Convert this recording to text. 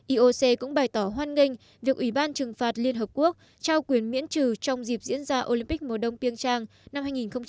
ioc cũng bày tỏ hoan nghênh việc ủy ban trừng phạt liên hợp quốc trao quyền miễn trừ trong dịp diễn ra olympic mùa đông piêng trang năm hai nghìn hai mươi